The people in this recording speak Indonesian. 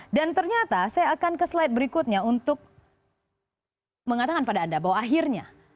dan ternyata saya akan ke slide berikutnya untuk mengatakan pada anda bahwa akhirnya